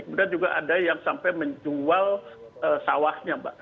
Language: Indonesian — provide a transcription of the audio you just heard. kemudian juga ada yang sampai menjual sawahnya mbak